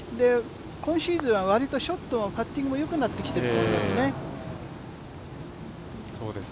今シーズンはわりとショットもパッティングもわりと良くなってきていますね。